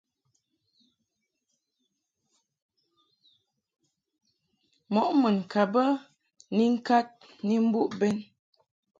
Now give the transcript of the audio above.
Mɔʼ mun ka bə ni ŋkad ni mbuʼ bɛn.